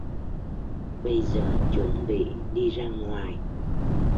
Bây giờ chuẩn bị đi ra ngoài